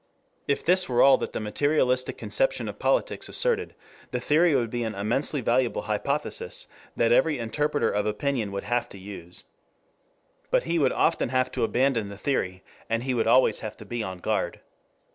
If this were all that the materialistic conception of politics asserted, the theory would be an immensely valuable hypothesis that every interpreter of opinion would have to use. But he would often have to abandon the theory, and he would always have to be on guard.